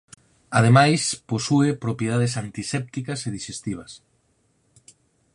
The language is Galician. Ademais posúe propiedades antisépticas e dixestivas.